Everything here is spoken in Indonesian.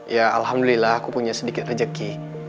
ya alhamdulillah aku punya sedikit rezeki